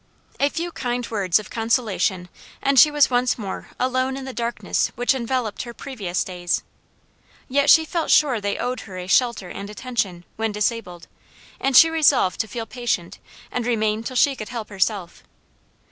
A few kind words of consolation, and she was once more alone in the darkness which enveloped her previous days. Yet she felt sure they owed her a shelter and attention, when disabled, and she resolved to feel patient, and remain till she could help herself.